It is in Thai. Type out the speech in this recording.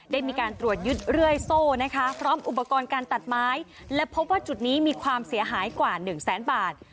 ได้มีการตรวจยึดเรื่อยโซ่นะคะพร้อมอุปกรณ์การตัดไม้และพบว่าจุดนี้มีความเสียหายกว่าหนึ่งแสนบาท